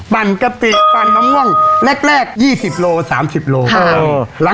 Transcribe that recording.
ปั่นกะปิปั่นน้องม่วงแรก๒๐๓๐กิโลกรัม